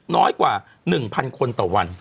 น้อยกว่า๑๐๐คนต่อวัน